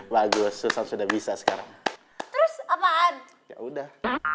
bagus sudah bisa sekarang terus apaan udah